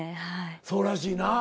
そうらしいな。